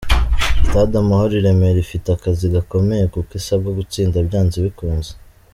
Stade Amahoro i Remera, ifite akazi gakomeye kuko isabwa gutsinda byanze bikunze.